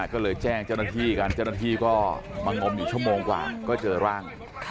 ก็เลยแจ้งเจ้าหน้าที่กันเจ้าหน้าที่ก็มางมอยู่ชั่วโมงกว่าก็เจอร่าง